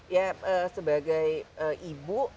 ya sebagai ibu